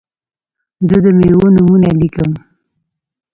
زه د میوو نومونه لیکم.